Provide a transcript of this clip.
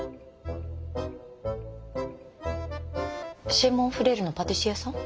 「シェ・モン・フレール」のパティシエさん？